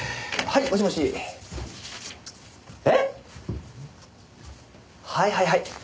はいはいはい。